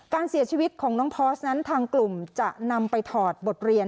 การเสียชีวิตของน้องพอร์สนั้นทางกลุ่มจะนำไปถอดบทเรียน